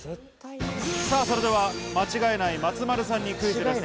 それでは間違えない松丸さんにクイズです。